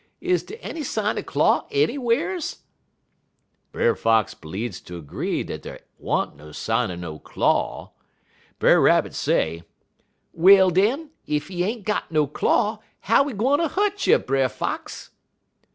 Is dey any sign er claw anywhar's?' "Brer Fox bleedz ter 'gree dat dey wa'n't no sign er no claw. Brer Rabbit say: "'Well, den, ef he ain't got no claw, how he gwine ter hu't you, Brer Fox?'